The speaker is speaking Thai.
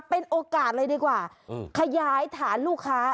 เป็นโอกาสเลยดีกว่าขยายฐานลูกค้า